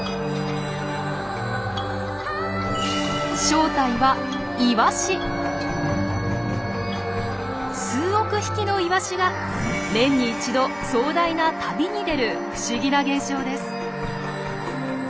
正体は数億匹のイワシが年に一度壮大な旅に出る不思議な現象です。